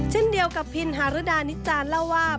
เช่นเดียวกับพิณธรดานิจจานย์เล่าว่า